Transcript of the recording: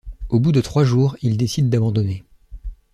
Au bout de trois jours il décide d'abandonner.